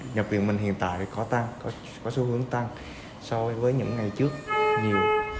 nhập viện mình hiện tại thì có tăng có xu hướng tăng so với những ngày trước nhiều